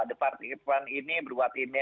departemen ini berbuat ini